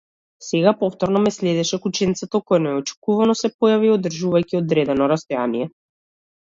Сега повторно ме следеше кученцето, кое неочекувано се појави, одржувајќи одредено растојание.